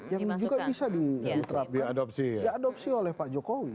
yang juga bisa diadopsi oleh pak jokowi